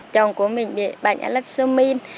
chồng của mình bị bệnh alexomine